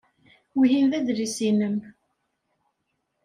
Wihin d adlis-nnem?